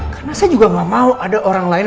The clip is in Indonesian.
karena saya juga gak mau ada orang lain